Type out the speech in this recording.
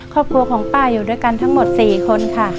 ครอบครัวของป้าอยู่ด้วยกันทั้งหมด๔คนค่ะ